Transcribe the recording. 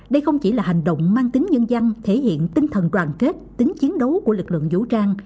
đây không chỉ là hành động mang tính nhân dân thể hiện tinh thần đoàn kết tính chiến đấu của lực lượng vũ trang